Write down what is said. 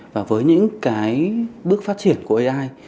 và với những cái bước phát triển của ai